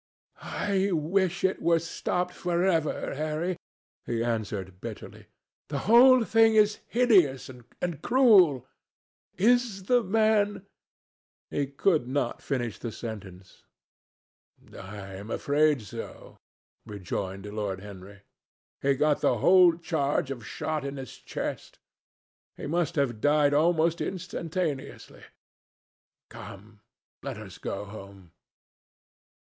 "I wish it were stopped for ever, Harry," he answered bitterly. "The whole thing is hideous and cruel. Is the man ...?" He could not finish the sentence. "I am afraid so," rejoined Lord Henry. "He got the whole charge of shot in his chest. He must have died almost instantaneously. Come; let us go home."